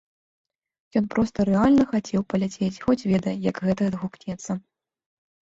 Ён проста рэальна хацеў паляцець, хоць ведае, як гэта адгукнецца.